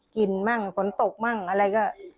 กลิ่นฝนตกอะไรก็